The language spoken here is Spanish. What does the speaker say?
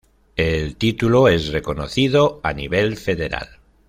El título es reconocido a nivel federal.